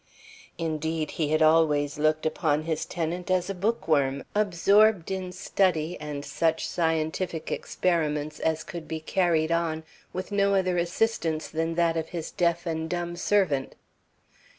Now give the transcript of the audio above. Indeed, he had always looked upon his tenant as a bookworm, absorbed in study and such scientific experiments as could be carried on with no other assistance than that of his deaf and dumb servant.